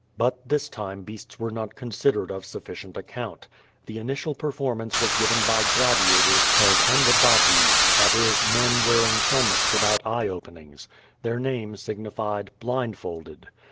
But this time beasts were not considered of sufficient account. The initial performance was given by gladiators called Anda bates, that is, men wearing helmets without eye openings. Their name signified "blindfolded."